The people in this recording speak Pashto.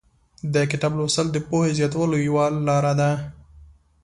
د کتاب لوستل د پوهې زیاتولو یوه لاره ده.